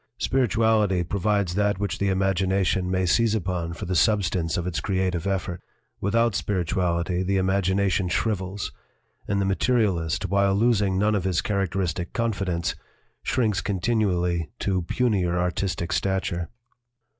Spirituality provides that which the im 173 LITERATURE IN THE MAKING agination may seize upon for the substance of its creative effort; without spirituality the imagina tion shrivels, and the materialist, while losing none of his characteristic confidence, shrinks con tinually to punier artistic stature."